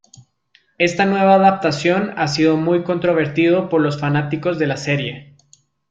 Esta nueva adaptación ha sido muy controvertido por los fanáticos de la serie.